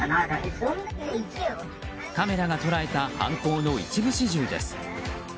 カメラが捉えた犯行の一部始終です。